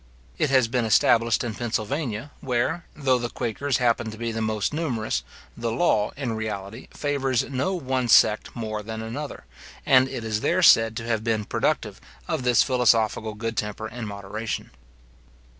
It has been established in Pennsylvania, where, though the quakers happen to be the most numerous, the law, in reality, favours no one sect more than another; and it is there said to have been productive of this philosophical good temper and moderation.